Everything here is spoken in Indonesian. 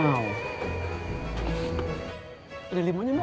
iya itu yang bikin anak kuahnya kan